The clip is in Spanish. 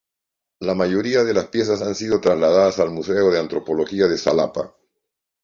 La mayoría de las piezas han sido trasladadas al Museo de Antropología de Xalapa.